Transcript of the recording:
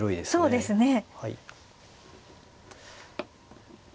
そうですね。